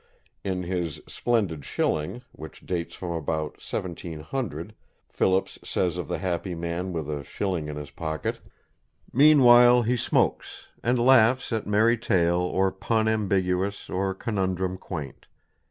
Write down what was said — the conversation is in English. In his "Splendid Shilling," which dates from about 1700, Philips says of the happy man with a shilling in his pocket: _Meanwhile, he smokes, and laughs at merry tale, Or Pun ambiguous or Conundrum quaint.